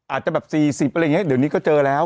อาจจะแบบ๔๐อะไรอย่างนี้เดี๋ยวนี้ก็เจอแล้ว